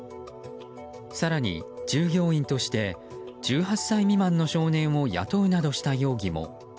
更に従業員として１８歳未満の少年を雇うなどした容疑も。